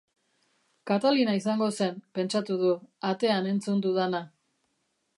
Katalina izango zen, pentsatu du, atean entzun dudana.